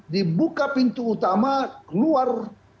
dibuka pintu utama keluar